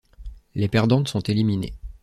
Les perdantes sont éliminées.